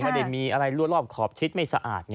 ไม่ได้มีอะไรรั่วรอบขอบชิดไม่สะอาด